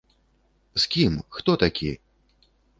З кім, хто такі?